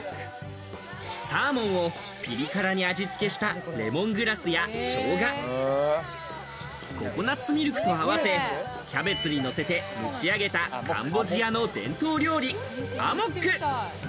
サーモンをピリ辛に味付けしたレモングラスやショウガ、ココナツミルクと合わせキャベツにのせて蒸し上げたカンボジアの伝統料理アモック。